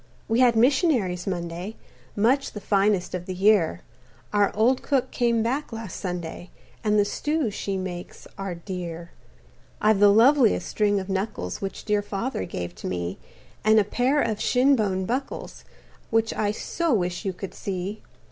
"We had missionaries Monday, Much the finest of the year Our old cook came back last Sunday, And the stews she makes are dear. "I've the loveliest string of knuckles Which dear Father gave to me, And a pair of shin bone buckles Which I so wish you could see.